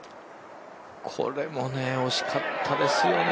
これも惜しかったですよね。